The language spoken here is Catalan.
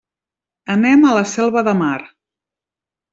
Anem a la Selva de Mar.